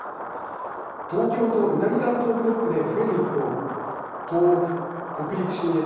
東京と南関東ブロックで増える一方東北北陸信越